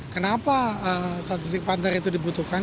kenapa statistik partner itu dibutuhkan